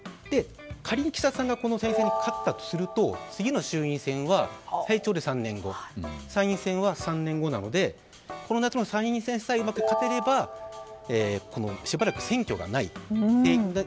仮に、岸田さんがこの参院選に勝ったとすると次の衆院選は最長で３年後参院選は３年後なのでこの夏の参院選さえうまく勝てればしばらく選挙がない。